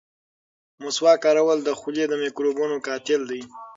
مسواک کارول د خولې د میکروبونو قاتل دی.